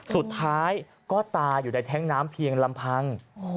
สุดท้ายก็ตายอยู่ในแท้งน้ำเพียงลำพัง